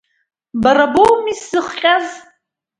Бара боуми сзыхҟьаз.